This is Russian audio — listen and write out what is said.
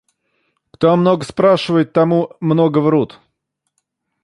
Кто много спрашивает, тому много врут.